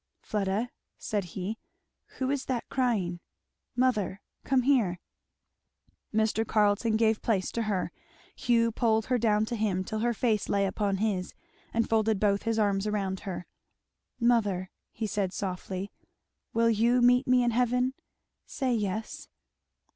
"Fleda," said he, "who is that crying? Mother come here." Mr. Carleton gave place to her. Hugh pulled her down to him till her face lay upon his, and folded both his arms around her. "Mother," he said softly, "will you meet me in heaven? say yes."